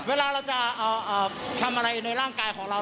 เวลาเราจะทำอะไรในร่างกายของเรา